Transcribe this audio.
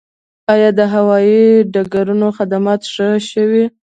آیا د هوایي ډګرونو خدمات ښه شوي؟